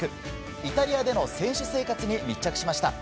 イタリアでの選手生活に密着しました。